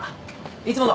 いつもの！